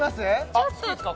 あっ好きですか？